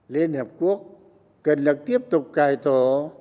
liên hợp quốc cần được tiếp tục cài thổ